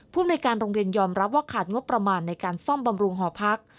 ภูมิในการโรงเรียนยอมรับว่าขาดงบประมาณในการซ่อมบำรุงหอพัก